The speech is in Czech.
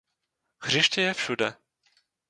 Hřiště je všude.